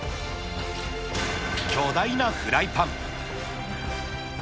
巨大なフライパン。